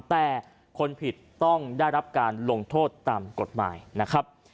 แต่คนผิดต้องได้รับการลงโทษตามกฎหมายนะครับ